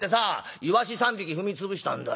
いわし３匹踏み潰したんだよ」。